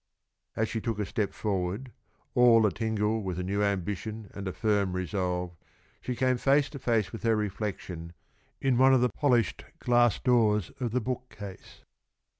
As she took a step forward, all a tingle with a new ambition and a firm resolve, she came face to face with her reflection in one of the polished glass doors of the bookcase.